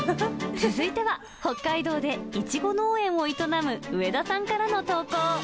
続いては北海道でイチゴ農園を営む上田さんからの投稿。